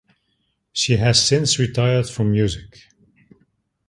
She has since retired from music.